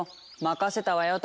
任せたわよ